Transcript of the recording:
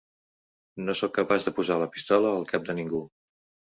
No sóc capaç de posar la pistola al cap de ningú.